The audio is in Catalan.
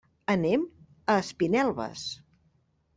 Anem a Espinelves.